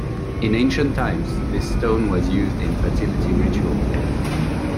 In ancient times this stone was used in fertility rituals.